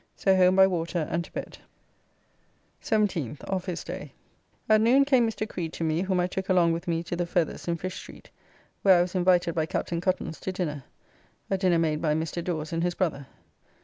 So home by water and to bed. 17th. Office day. At noon came Mr. Creed to me, whom I took along with me to the Feathers in Fish Street, where I was invited by Captain Cuttance to dinner, a dinner made by Mr. Dawes and his brother.